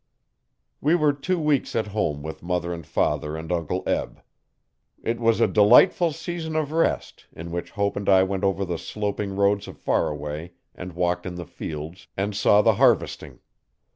We were two weeks at home with mother and father and Uncle Eb. It was a delightful season of rest in which Hope and I went over the sloping roads of Faraway and walked in the fields and saw the harvesting.